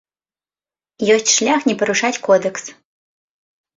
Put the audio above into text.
Ёсць шлях не парушаць кодэкс.